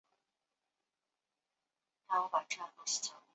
祖父叶益良。